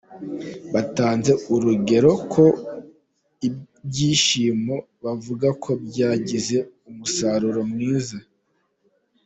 Batanze urugero ku bishyimbo, bavuga ko byagize umusaruro mwiza.